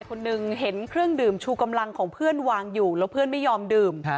คนหนึ่งเห็นเครื่องดื่มชูกำลังของเพื่อนวางอยู่แล้วเพื่อนไม่ยอมดื่ม